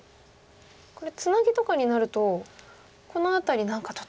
これツナギとかになるとこの辺り何かちょっとダメヅマリ。